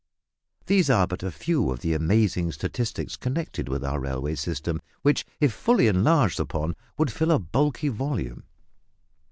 These are but a few of the amazing statistics connected with our railway system, which, if fully enlarged upon, would fill a bulky volume.